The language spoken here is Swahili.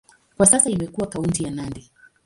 Kwa sasa imekuwa kaunti ya Nandi.